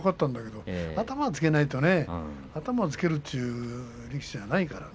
頭をつけないとね頭をつけるという力士じゃないからね。